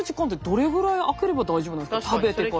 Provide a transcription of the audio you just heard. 食べてから。